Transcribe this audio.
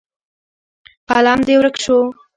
قلم دې ورک شو.